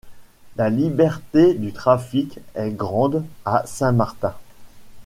La liberté du trafic est grande à Saint-Martin